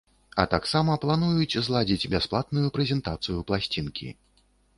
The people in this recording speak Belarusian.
А таксама плануюць зладзіць бясплатную прэзентацыю пласцінкі.